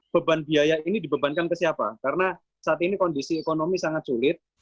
beban biaya ini dibebankan ke siapa karena saat ini kondisi ekonomi sangat sulit